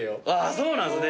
そうなんすね。